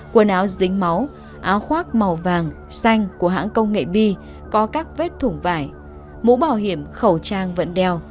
quần áo dính máu áo khoác màu vàng xanh của hãng công nghệ bi có các vết thủng vải mũ bảo hiểm khẩu trang vẫn đeo